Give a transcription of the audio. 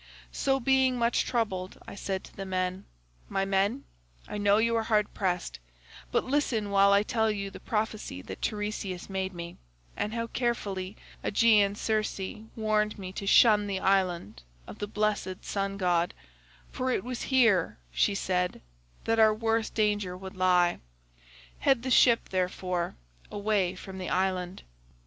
So being much troubled I said to the men, 'My men, I know you are hard pressed, but listen while I tell you the prophecy that Teiresias made me, and how carefully Aeaean Circe warned me to shun the island of the blessed sun god, for it was here, she said, that our worst danger would lie. Head the ship, therefore, away from the island.